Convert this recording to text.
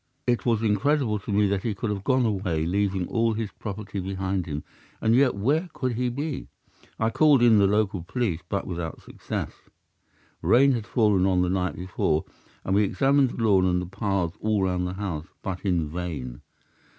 It was incredible to me that he could have gone away leaving all his property behind him, and yet where could he be? I called in the local police, but without success. Rain had fallen on the night before and we examined the lawn and the paths all round the house, but in vain.